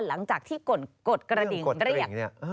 หลังจากที่กดกระดิ่งเรียก